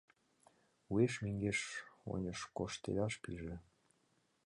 Уэш мӧҥгеш-оньыш коштедаш пиже.